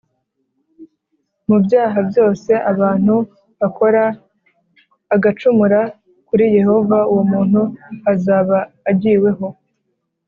Mu byaha byose abantu bakora agacumura kuri yehova uwo muntu azaba agiweho